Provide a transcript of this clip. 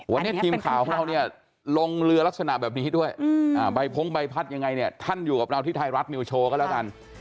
วันนี้ทีมข่าวของเราเนี่ยลงเรือลักษณะแบบนี้ด้วยใบพงใบพัดยังไงเนี่ยท่านอยู่กับเราที่ไทยรัฐนิวโชว์ก็แล้วกัน